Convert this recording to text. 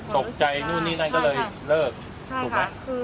ตกใจนู่นนี่นั่นก็เลยเลิกถูกไหม